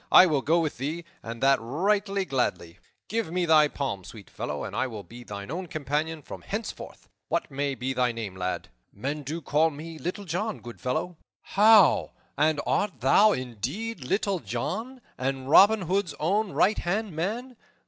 I will go with thee, and that right gladly. Give me thy palm, sweet fellow, and I will be thine own companion from henceforth. What may be thy name, lad?" "Men do call me Little John, good fellow." "How? And art thou indeed Little John, and Robin Hood's own right hand man?